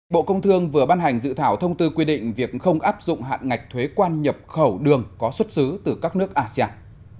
bộ công thương vừa ban hành dự thảo thông tư quy định việc không áp dụng hạn ngạch thuế quan nhập khẩu đường có xuất xứ từ các nước asean